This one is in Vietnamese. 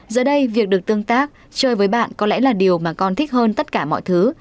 giờ đây việc được tương tác chơi với bạn có lẽ là điều mà con thích hơn tất cả mọi thứ